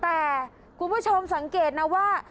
แต่คุณผู้ชมสังเกตนะว่า